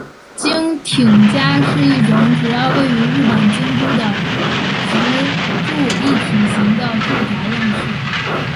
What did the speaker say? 京町家是一种主要位于日本京都的职住一体型的住宅样式。